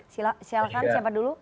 silakan siapa dulu